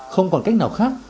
không còn cách nào khác